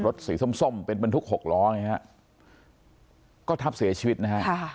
สีส้มส้มเป็นบรรทุกหกล้อไงฮะก็ทับเสียชีวิตนะฮะ